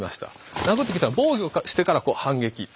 殴ってきたら防御してから反撃。